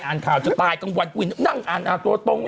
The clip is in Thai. อ่านข่าวจะตายกลางวันกูอีกนึงนั่งอ่านอ่าตัวตรง